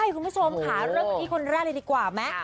คุณผู้ชมค่ะเริ่มกันที่คนแรกเลยดีกว่าไหม